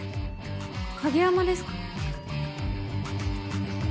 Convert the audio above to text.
影山ですか？